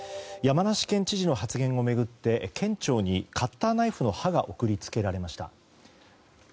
山梨県知事の発言を巡って県庁にカッターナイフの刃が送り付けられました。